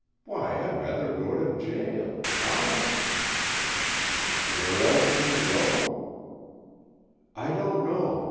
Why, I'd rather go to jail. Honest." "Where else can you go?" "I don't know.